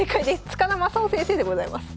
塚田正夫先生でございます。